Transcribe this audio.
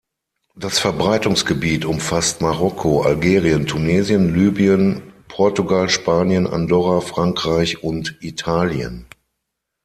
Das Verbreitungsgebiet umfasst Marokko, Algerien, Tunesien, Libyen, Portugal, Spanien, Andorra, Frankreich und Italien.